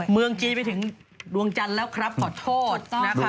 เมืองจีนไปถึงดวงจันทร์แล้วครับขอโทษนะคะ